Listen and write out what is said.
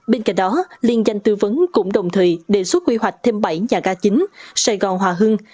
bên cạnh đó liên danh tư vấn cũng đồng thời đề xuất quy hoạch thêm bảy nhà ga chính sài gòn hòa hưng